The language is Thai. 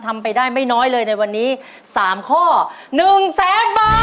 ทำไปได้ไม่น้อยเลยในวันนี้๓ข้อ๑แสนบาท